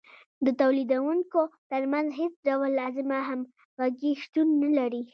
د تولیدونکو ترمنځ هېڅ ډول لازمه همغږي شتون نلري